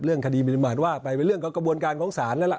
เรื่องคดีบริมาณว่าไปเรื่องกระบวนการของศาลนั่นแหละ